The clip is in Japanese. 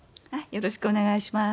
よろしくお願いします。